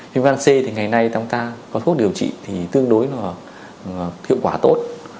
phim gan c thì ngày nay ta có thuốc điều trị thì tương đối là thiệu quả tốt